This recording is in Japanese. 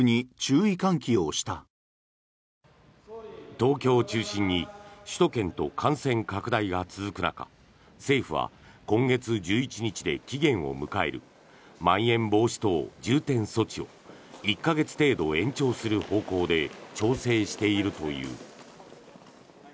東京を中心に首都圏と感染拡大が続く中政府は今月１１日で期限を迎えるまん延防止等重点措置を１か月程度延長する方向で調整しているという。